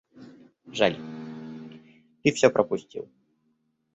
Жаль, ты всё пропустил.